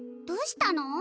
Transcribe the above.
どうしたの？